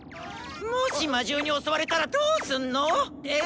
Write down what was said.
もし魔獣に襲われたらどーすんの？え？